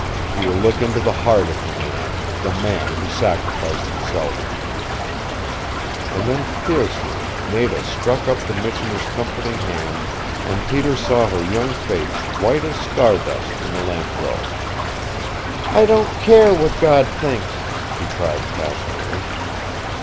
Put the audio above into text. He will look into the heart of the man, the man who sacrificed himself " And then, fiercely, Nada struck up the Missioner's comforting hand, and Peter saw her young face white as star dust in the lampglow. "I don't care what God thinks," she cried passionately.